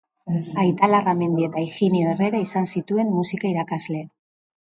Aita Larramendi eta Higinio Herrera izan zituen musika irakasle.